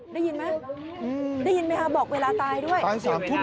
ได้ยินไหมได้ยินไหมคะบอกเวลาตายด้วย